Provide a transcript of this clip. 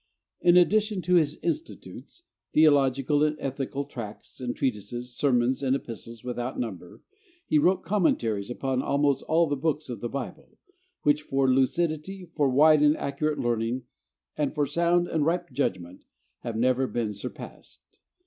In addition to his 'Institutes,' theological and ethical tracts, and treatises, sermons, and epistles without number, he wrote commentaries upon almost all the books of the Bible; which for lucidity, for wide and accurate learning, and for sound and ripe judgment, have never been surpassed.